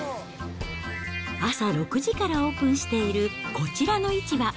朝６時からオープンしているこちらの市場。